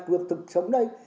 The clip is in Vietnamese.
ngược thực sống đây